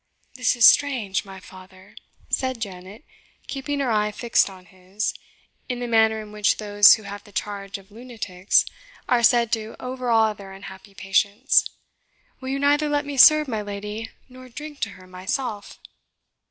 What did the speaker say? "This is strange, my father," said Janet, keeping her eye fixed on his, in the manner in which those who have the charge of lunatics are said to overawe their unhappy patients; "will you neither let me serve my lady, nor drink to her myself?"